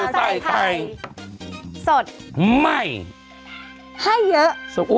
สวัสดีค่ะ